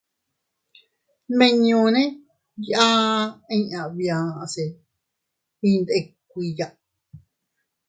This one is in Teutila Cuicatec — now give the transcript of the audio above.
Nmiñune yaa inña bia se iyndikuiya.